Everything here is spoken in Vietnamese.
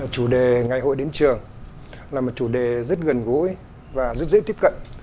chủ đề ngày hội đến trường là một chủ đề rất gần gũi và rất dễ tiếp cận